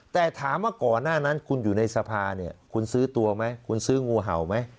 แต่ถามว่าก่อนหน้านั้นคุณอยู่ในสภาเนี่ยคุณซื้อตัวไหมคุณซื้องูเห่าไหม